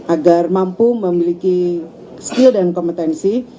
agar mampu memiliki skill dan kompetensi